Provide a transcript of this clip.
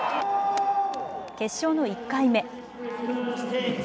決勝の１回目。